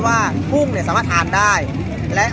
สวัสดีครับทุกคนวันนี้เกิดขึ้นทุกวันนี้นะครับ